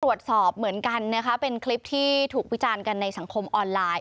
ตรวจสอบเหมือนกันนะคะเป็นคลิปที่ถูกวิจารณ์กันในสังคมออนไลน์